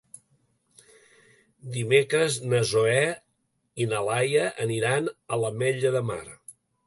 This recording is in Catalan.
Dimecres na Zoè i na Laia aniran a l'Ametlla de Mar.